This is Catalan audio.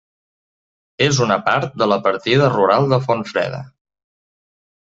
És una part de la partida rural de Font Freda.